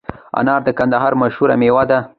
انار د کندهار مشهوره میوه ده